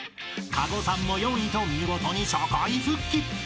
［加護さんも４位と見事に社会復帰］